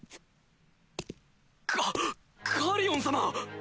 カカリオン様！